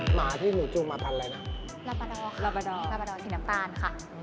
หมาที่หนูจูงมาพันอะไรนะรับระดอดค่ะซินตาปอตาลค่ะ